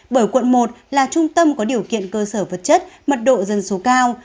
bởi quận một là trung tâm có điều kiện cơ sở vật chất mật độ dân số cao